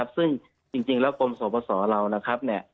ซึ่งจริงแล้วกรมสอบประสอเรานะครับ